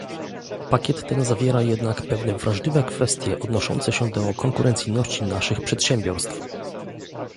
Pakiet ten zawiera jednak pewne wrażliwe kwestie odnoszące się do konkurencyjności naszych przedsiębiorstw